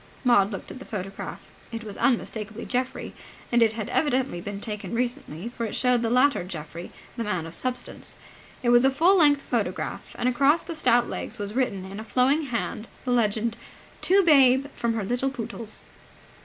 Maud looked at the photograph. It was unmistakably Geoffrey. And it had evidently been taken recently, for it showed the later Geoffrey, the man of substance. It was a full length photograph and across the stout legs was written in a flowing hand the legend, "To Babe from her little Pootles".